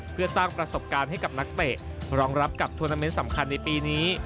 เพื่อสร้างประสบการณ์ให้กับนักเตะรองรับกับทวนาเมนต์สำคัญในปีนี้